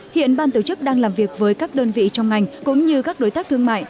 hiện ban tổ chức đang làm việc với các đơn vị trong ngành cũng như các đối tác thương mại